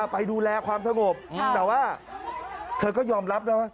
ไปดูแลความสงบแต่ว่าเธอก็ยอมรับนะว่า